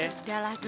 udah lah dulen